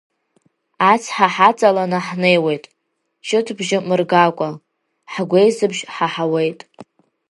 Ацҳа ҳаҵаланы ҳнеиуеит, ҷытбжьы мыргакәа, ҳгәеисыбжь ҳаҳауеит.